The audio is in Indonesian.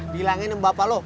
bilangin ke bapak lo